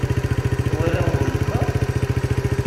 Twalam weltma?